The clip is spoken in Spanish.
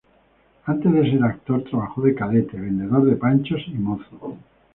Antes de ser actor trabajó de cadete, vendedor de panchos y mozo.